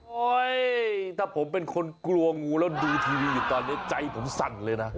ถ้าผมเป็นคนกลัวงูแล้วดูทีวีอยู่ตอนนี้ใจผมสั่นเลยนะ